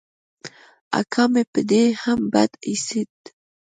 اکا مې په دې هم بد اېسېد.